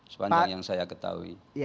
sepanjang yang saya ketahui